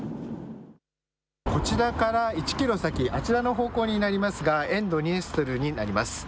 こちらから１キロ先、あちらの方向になりますが、沿ドニエストルになります。